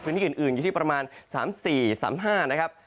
พื้นที่อื่นอยู่ที่ประมาณ๓๔๓๕นะครับ